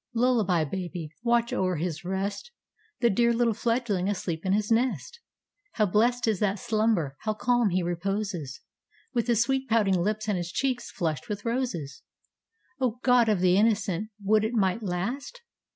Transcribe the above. Lullaby baby watch o'er his rest! The dear little fledgling asleep in his nest. How blest is that slumber how calm he reposes, With his sweet, pouting lips, and his cheeks flushed with roses! O, God of the Innocent, would it might last!